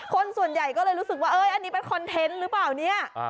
คนส่วนใหญ่ก็เลยรู้สึกว่าอันนี้เป็นคอนเทนต์หรือเปล่าเนี่ย